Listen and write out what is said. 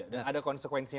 dan ada konsekuensinya